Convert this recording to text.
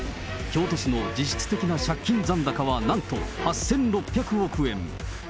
京都市の実質的な借金残高は、なんと８６００億円。